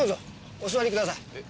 お座りください。